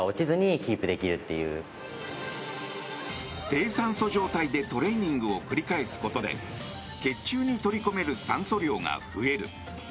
低酸素状態でトレーニングを繰り返すことで血中に取り込める酸素量が増える。